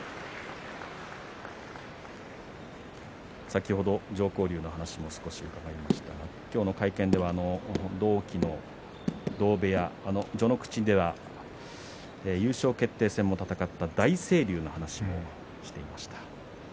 先ほど常幸龍の話を少し伺いましたが会見では同期の同部屋序ノ口では優勝決定戦も戦った大成龍の話をしていました。